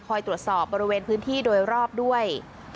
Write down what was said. ตรวจสอบบริเวณพื้นที่โดยรอบด้วย